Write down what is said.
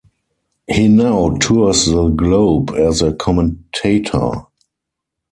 He now tours the globe as a commentator.